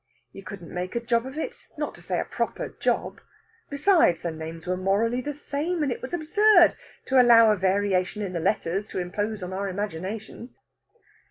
You couldn't make a job of it; not to say a proper job. Besides, the names were morally the same, and it was absurd to allow a variation in the letters to impose on our imagination.